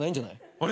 あれ？